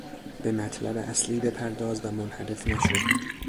به مطلب اصلی بپرداز و منحرف نشو!